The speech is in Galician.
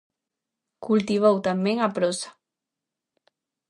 Cultivou tamén a prosa.